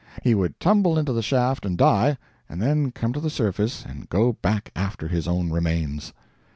He would tumble into the shaft and die, and then come to the surface and go back after his own remains.